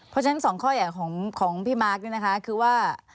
เพราะฉะนั้น๒ข้อใหญ่ของพี่มาร์คนะค่ะ